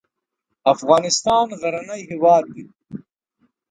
افغانستان غرنی هېواد دی.